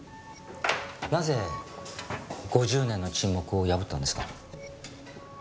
なぜ５０年の沈黙を破ったんですか？